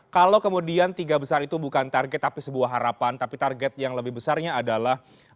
kalau kemudian tiga besar itu bukan target tapi sebuah harapan tapi terserah untuk kepentingan dan kepentingan terhadap tim review di jakarta